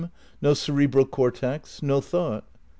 No cerebral cortex, no thought.